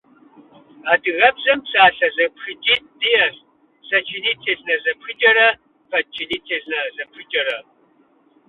Адыгэбзэм псалъэ зэпхыкӏитӏ диӏэщ: сочинительнэ зэпхыкӏэрэ подчинительнэ зэпхыкӏэрэ.